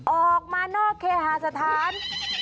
ออกมานอกเคหาสถาน